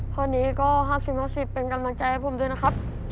ข้อนี้ก็๕๐๕๐เป็นกำลังใจให้ผมด้วยนะครับ